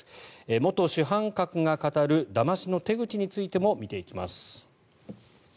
元主犯格が語るだましの手口についても見ていきます。